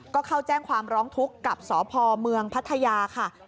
ก็เข้าแจ้งความร้องทุกข์กับสพเมืองพัทยาค่ะ